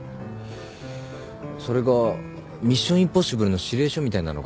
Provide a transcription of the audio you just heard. それが『ミッション：インポッシブル』の指令書みたいなのが書いてあって。